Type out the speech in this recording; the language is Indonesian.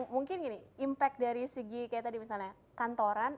mungkin gini impact dari segi kayak tadi misalnya kantoran